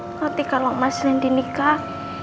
nanti kalau mas randy nikah